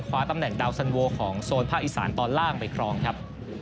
ตำแหนดาวสันโวของโซนภาคอีสานตอนล่างไปครองครับ